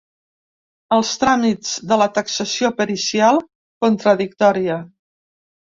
Els tràmits de taxació pericial contradictòria.